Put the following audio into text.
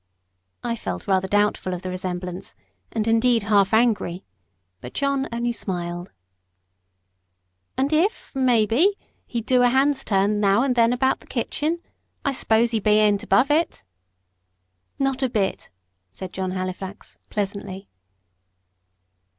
I felt rather doubtful of the resemblance, and indeed half angry, but John only smiled. "And if, maybe, he'd do a hand's turn now and then about the kitchen I s'pose he bean't above it?" "Not a bit!" said John Halifax, pleasantly.